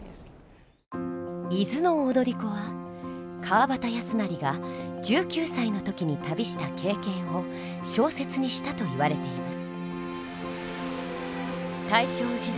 「伊豆の踊子」は川端康成が１９歳の時に旅した経験を小説にしたといわれています。